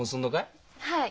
はい。